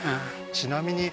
ちなみに